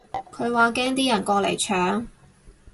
佢話驚啲人過嚟搶